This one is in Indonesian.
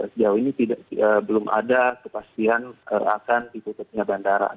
sejauh ini belum ada kepastian akan ditutupnya bandara